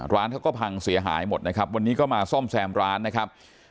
ร้านเขาก็พังเสียหายหมดนะครับวันนี้ก็มาซ่อมแซมร้านนะครับ